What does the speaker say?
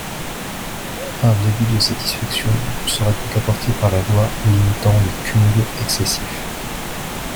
Un début de satisfaction vous sera donc apporté par la loi limitant les cumuls excessifs.